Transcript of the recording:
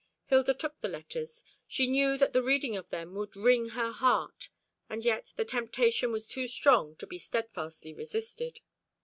Hilda looked at the letters. She knew that the reading of them would wring her heart; and yet the temptation was too strong to be steadfastly resisted.